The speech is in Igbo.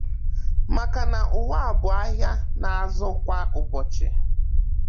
maka na ụwa bụ ahịa na-azụ kwa ụbọchị